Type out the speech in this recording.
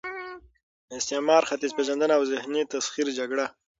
استعمار، ختیځ پېژندنه او د ذهني تسخیر جګړه